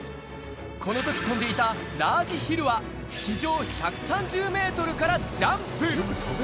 このとき飛んでいたラージヒルは、地上１３０メートルからジャンプ。